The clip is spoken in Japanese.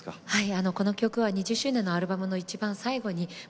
はい。